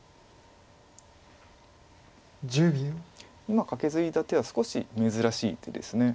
今カケツイだ手は少し珍しい手です。